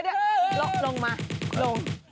เดี๋ยวลงมาลง